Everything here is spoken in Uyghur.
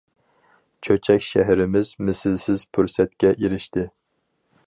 چۆچەك شەھىرىمىز مىسلىسىز پۇرسەتكە ئېرىشتى.